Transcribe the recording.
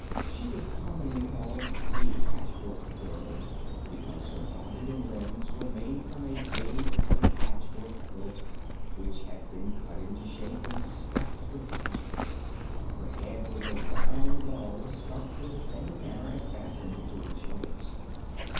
She was commonly called "the Patchwork Girl" because her body and limbs were made from a gay colored patchwork quilt which had been cut into shape and stuffed with cotton. Her head was a round ball stuffed in the same manner and fastened to her shoulders.